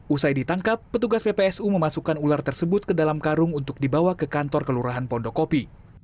usai ditangkap petugas ppsu memasukkan ular tersebut ke dalam karung untuk dibawa ke kantor kelurahan pondokopi